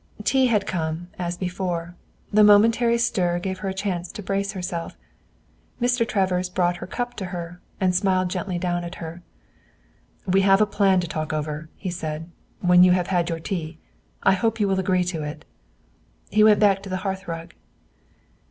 Tea had come, as before. The momentary stir gave her a chance to brace herself. Mr. Travers brought her cup to her and smiled gently down at her. "We have a plan to talk over," he said, "when you have had your tea. I hope you will agree to it." He went back to the hearthrug.